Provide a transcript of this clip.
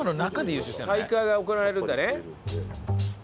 大会が行われるんだね。